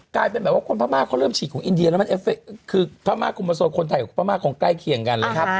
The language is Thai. กลายเป็นแบบว่าคนพม่าเขาเริ่มฉีดของอินเดียแล้วมันคือพม่ากุมาโซคนไทยกับพม่าคงใกล้เคียงกันเลย